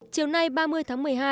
chiều nay ba mươi tháng một mươi hai